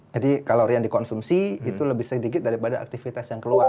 jadi kalori yang dikonsumsi itu lebih sedikit daripada aktivitas yang keluar